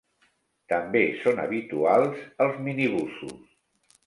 També són habituals els minibusos.